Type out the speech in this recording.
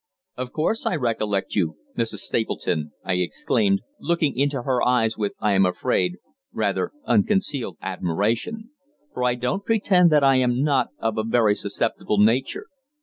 "Of course I recollect you Mrs. Stapleton," I exclaimed, looking into her eyes with, I am afraid, rather unconcealed admiration, for I don't pretend that I am not of a very susceptible nature.